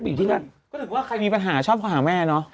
แต่คือว่าใครมีปัญหาชอบขับหาแม่เนอะ